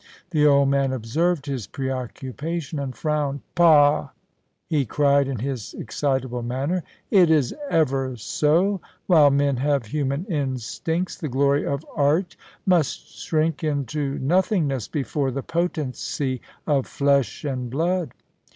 The old man observed his preoccupation, and frowned. * Pah !* he cried in his excitable manner, * it is ever so ; while men have human instincts, the glory of art must shrink into nothingness before the potency of flesh and blood.